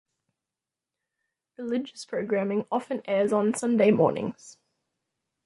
Religious programming often airs on Sunday mornings.